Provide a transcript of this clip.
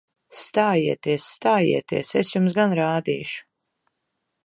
Stājieties! Stājieties! Es jums gan rādīšu!